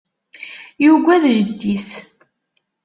Yugad jeddi-s.